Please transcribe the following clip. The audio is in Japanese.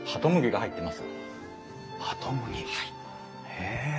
へえ！